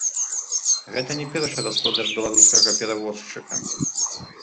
Гэта не першы распродаж беларускага перавозчыка.